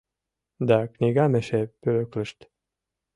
— Да книгам эше пӧлеклышт